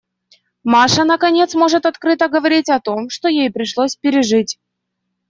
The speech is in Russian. Маша, наконец, может открыто говорить о том, что ей пришлось пережить.